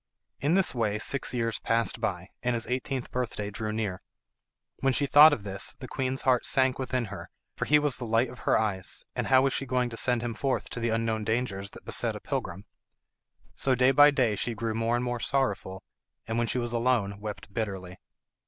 In this way six years passed by, and his eighteenth birthday drew near. When she thought of this the queen's heart sank within her, for he was the light of her eyes and how was she to send him forth to the unknown dangers that beset a pilgrim? So day by day she grew more and more sorrowful, and when she was alone wept bitterly.